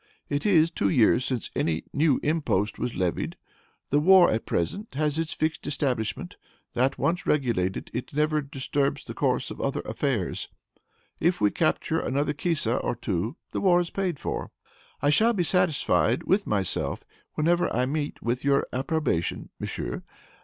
It is two years since any new impost was levied. The war, at present, has its fixed establishment; that once regulated, it never disturbs the course of other affairs. If we capture another Kesa or two, the war is paid for. [Footnote 21: Questions sur l'Encyclopedie.] "I shall be satisfied with myself whenever I meet with your approbation, monsieur.